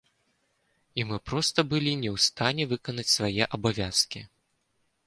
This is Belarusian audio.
І мы проста былі не ў стане выканаць свае абавязкі.